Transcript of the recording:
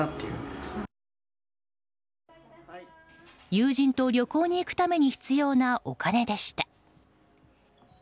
友人と旅行に行くために必要なお金でした。